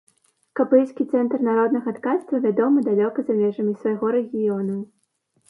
Капыльскі цэнтр народнага ткацтва вядомы далёка за межамі свайго рэгіёну.